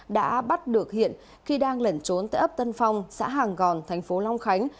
đã bắt được hiện khi đang lẩn trốn tại ấp tân phong xã hàng gòn thành phố long khánh